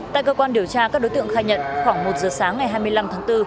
tại cơ quan điều tra các đối tượng khai nhận khoảng một giờ sáng ngày hai mươi năm tháng bốn